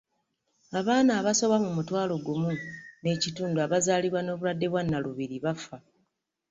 Abaana abasoba mu mutwalo gumu n'ekitundu abazaalibwa n'obulwadde bwa Nnalubiri bafa